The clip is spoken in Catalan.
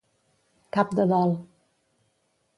Cap de dol.